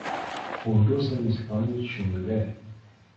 ہونٹوں سے مسکان چھن جائے